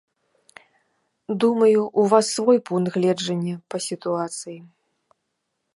Думаю, у вас свой пункт гледжання па сітуацыі.